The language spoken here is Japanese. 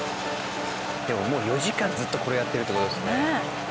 でももう４時間ずっとこれやってるって事ですよね。